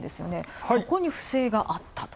そこに不正があったと。